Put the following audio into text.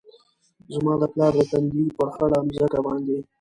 زما د پلار د تندي ، پر خړه مځکه باندي